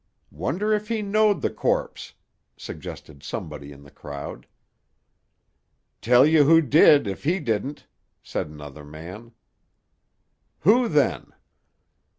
"Wonder if he knowed the corpse?" suggested somebody in the crowd. "Tell you who did, if he didn't," said another man. "Who, then?"